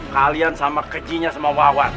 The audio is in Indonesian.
kalian sama kecinya sama wawan